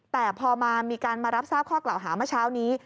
แต่พอมามีการมารับทราบข้อกล่าวหาเมื่อเช้านี้